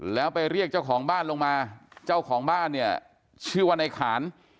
แล้วไปเรียกเจ้าของบ้านลงมาเจ้าของบ้านเนี่ยชื่อว่าในขาน